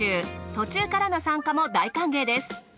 途中からの参加も大歓迎です。